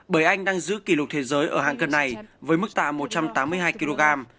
bởi anh đang giữ kỷ lục thế giới ở hạng cân này với mức tạ một trăm tám mươi hai kg